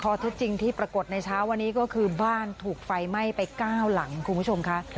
ที่จริงที่ปรากฏในเช้าวันนี้ก็คือบ้านถูกไฟไหม้ไป๙หลังคุณผู้ชมค่ะ